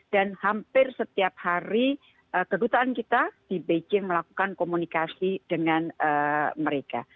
dan hampir setiap hari kedutaan kita di beijing melakukan komunikasi dengan mereka